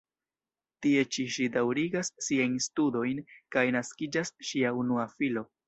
Tie ĉi ŝi daŭrigas siajn studojn kaj naskiĝas ŝia unua filo.